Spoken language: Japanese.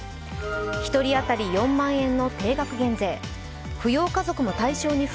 １人当たり４万円の定額減税。